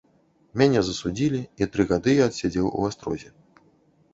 Мяне засудзілі, і тры гады я адсядзеў у астрозе.